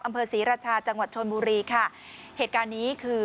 อำเภอศรีราชาจังหวัดชนบุรีค่ะเหตุการณ์นี้คือ